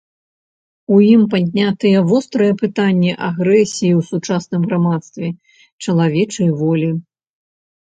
У ім паднятыя вострыя пытанні агрэсіі ў сучасным грамадстве, чалавечай волі.